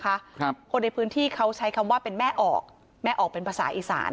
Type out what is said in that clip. ครับคนในพื้นที่เขาใช้คำว่าเป็นแม่ออกแม่ออกเป็นภาษาอีสาน